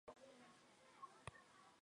密枝猪毛菜为苋科猪毛菜属的植物。